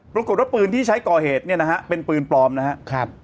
ปรากฏว่าปืนที่ใช้ก่อเหตุเนี่ยนะฮะเป็นปืนปลอมนะครับ